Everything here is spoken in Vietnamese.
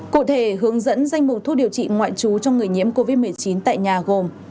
cụ thể hướng dẫn danh mục thuốc điều trị ngoại trú cho người nhiễm covid một mươi chín tại nhà gồm